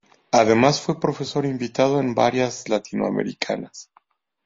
Además fue profesor invitado en varias latinoamericanas.